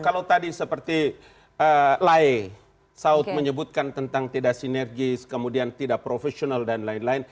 kalau tadi seperti lae saud menyebutkan tentang tidak sinergis kemudian tidak profesional dan lain lain